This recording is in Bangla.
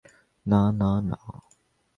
না, না, না।